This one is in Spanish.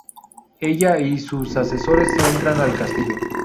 Ella y sus asesores entran al castillo.